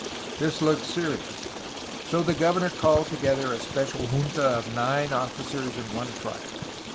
This looked serious. So the governor called together a special junta of nine officers and one friar.